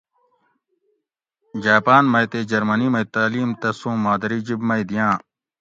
جاۤپاۤن مئ تے جرمنی مئ تعلیم تسوں مادری جِب مئ دِیاۤں